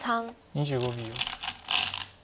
２５秒。